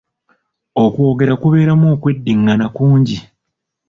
Okwogera kubeeramu okweddingana kungi.